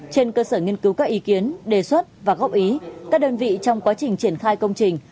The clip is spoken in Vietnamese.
trên cơ sở nghiên cứu các ý kiến đề xuất và góp ý các đơn vị trong quá trình triển khai công trình